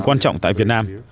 quan trọng tại việt nam